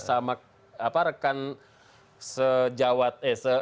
atau sejauh mana